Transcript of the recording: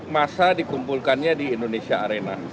masa dikumpulkannya di indonesia arena